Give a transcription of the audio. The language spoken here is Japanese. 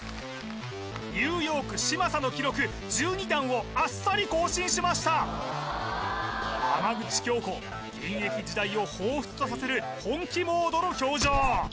ニューヨーク嶋佐の記録１２段をあっさり更新しました浜口京子現役時代をほうふつとさせる本気モードの表情！